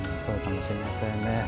そうかもしれませんね。